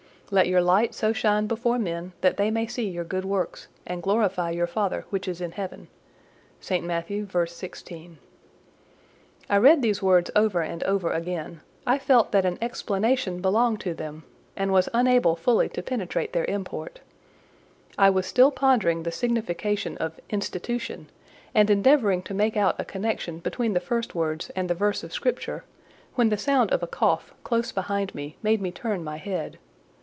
"Let your light so shine before men, that they may see your good works, and glorify your Father which is in heaven."—St. Matt. v. 16. I read these words over and over again: I felt that an explanation belonged to them, and was unable fully to penetrate their import. I was still pondering the signification of "Institution," and endeavouring to make out a connection between the first words and the verse of Scripture, when the sound of a cough close behind me made me turn my head.